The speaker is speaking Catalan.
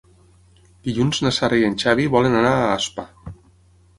Dilluns na Sara i en Xavi volen anar a Aspa.